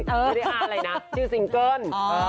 อ่านี่ไม่ได้อ่าอะไรนะชื่อซิงเกิ้ล